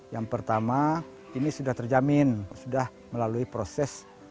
yang pertama ini sudah terjamin sudah melalui proses